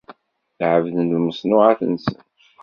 Ɛebden lmeṣnuɛat-nsen.